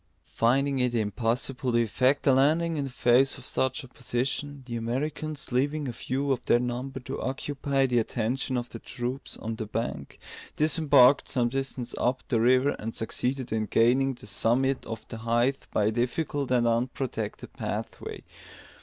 Finding it impossible to effect a landing in the face of such opposition, the Americans, leaving a few of their number to occupy the attention of the troops on the bank, disembarked some distance up the river, and succeeded in gaining the summit of the height by a difficult and unprotected pathway.